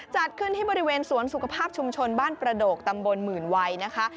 จัดขึ้นที่บริเวณสวนสุขภาพชุมชนบ้านประโดกตำบลหมื่นวัยนะคะ